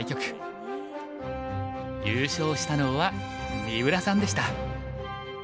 優勝したのは三浦さんでした。